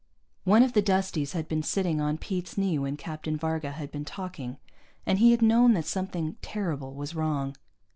One of the Dusties had been sitting on Pete's knee when Captain Varga had been talking, and he had known that something terrible was wrong.